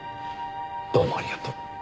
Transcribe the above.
どうもありがとう。